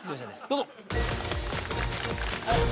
どうぞ。